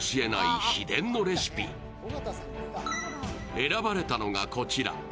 選ばれたのがこちら。